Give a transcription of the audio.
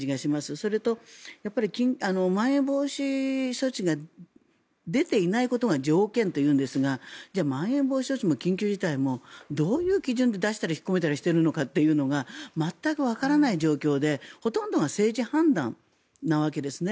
それとまん延防止措置が出ていないことが条件というんですがじゃあ、まん延防止措置も緊急事態宣言もどういう基準で出したり引っ込めたりしているのかが全くわからない状況でほとんどが政治判断なわけですね。